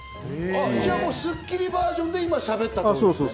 じゃあもうスッキリバージョンで今しゃべった。